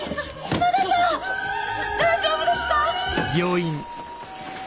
大丈夫ですか！